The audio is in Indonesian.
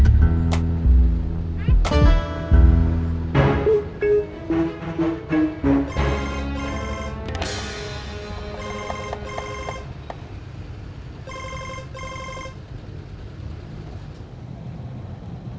aku gak siap